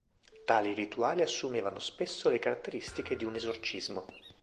Tali rituali assumevano spesso le caratteristiche di un esorcismo.